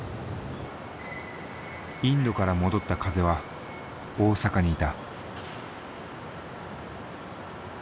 インドから戻った風は大阪にいた。